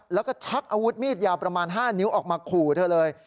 แล้วก็ชักอาวุธมีดยาวประมาณ๕นิ้วออกมาขู่เธอเลย